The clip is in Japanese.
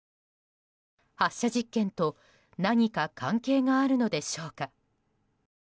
発射実験と何か関係があるのでしょうか。